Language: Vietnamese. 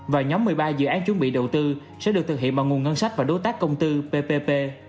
và nhóm một mươi ba dự án chuẩn bị đầu tư sẽ được thực hiện bằng nguồn ngân sách và đối tác công tư ppp